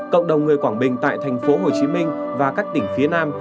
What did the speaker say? cộng đồng người quảng bình tại thành phố hồ chí minh và các tỉnh phía nam